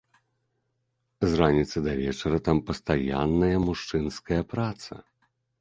З раніцы да вечара там пастаянная мужчынская праца.